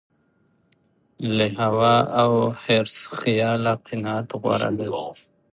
له هوا او حرص خیاله قناعت غوره دی.